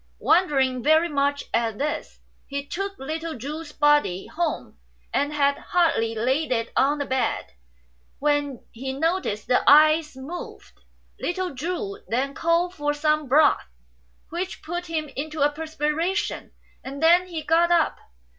Wondering very much at this, he took little Chu's body home, and had hardly laid it on the bed when he noticed the eyes move. Little Chu then called for some broth, which put him into a perspi ration, and then he got up.